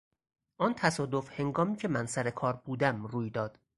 آن تصادف هنگامی که من سر کار بودم روی داد.